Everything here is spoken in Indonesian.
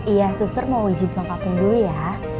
iya suster mau uji bangkapan dulu ya